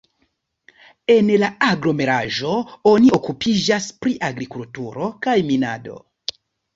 En la aglomeraĵo oni okupiĝas pri agrikulturo kaj minado.